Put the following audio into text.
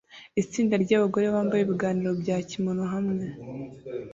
Itsinda ryabagore bambaye ibiganiro bya kimono hamwe